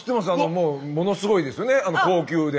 もうものすごいですよね高級で。